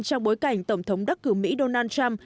trong bối cảnh tổng thống đắc cử mỹ donald trump